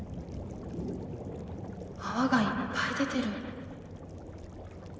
泡がいっぱい出てる。